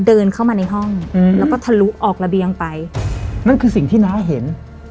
เดินเข้ามาในห้องอืมแล้วก็ทะลุออกระเบียงไปนั่นคือสิ่งที่น้าเห็น